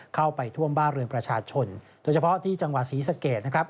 เข้าไปท่วมบ้านเรือนประชาชนโดยเฉพาะที่จังหวัดศรีสะเกดนะครับ